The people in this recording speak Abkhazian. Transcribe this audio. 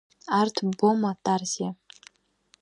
Арҭ ббома, Тарзиа?